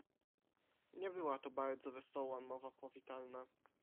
"Nie była to bardzo wesoła mowa powitalna."